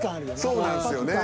そうなんですよね。